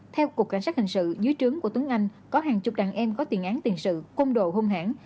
theo cục cảnh sát hình sự dưới trướng của tướng anh có hàng chục đàn em có tiền án tiền sự công đồ hung hãng